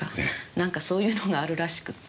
なんかそういうのがあるらしくって。